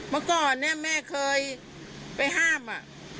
เมื่อก่อนเนี่ยแม่เคยไปห้ามอ่ะ